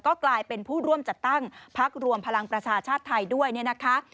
ก็กลายเป็นผู้ร่วมจัดตั้งพักรวมพลังประชาชาติไทยด้วยเนี่ยนะคะ